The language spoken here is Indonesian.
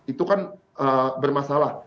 itu kan bermasalah